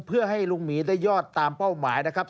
เพื่อให้ลุงหมีได้ยอดตามเป้าหมายนะครับ